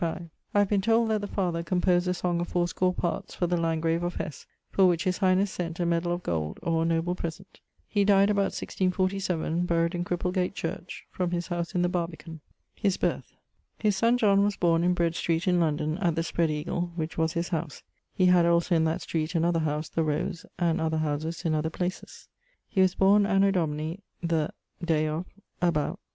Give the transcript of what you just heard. I have been told that the father composed a song of fourscore parts for the Lantgrave of Hess, for which highnesse sent a meddall of gold, or a noble present. He dyed about 1647; buried in Cripplegate church, from his house in the Barbican. <_His birth._> His son John was borne in Bread Street, in London, at the Spread Eagle, which was his house [he had also in that street another house, the Rose; and other houses in other places]. He was borne anno Domini ... the ... day of ..., about